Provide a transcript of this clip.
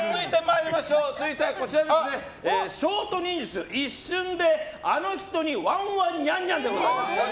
続いてはショート忍術一瞬でアノ人にワンワンニャンニャンです。